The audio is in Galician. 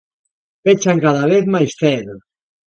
Pechan cada vez máis cedo